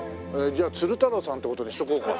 じゃあ鶴太郎さんって事にしとこうか。